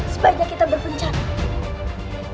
sebaiknya kita berpencang